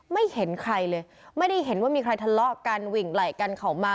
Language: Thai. ไม่เห็นใครเลยไม่ได้เห็นว่ามีใครทะเลาะกันวิ่งไหล่กันเข้ามา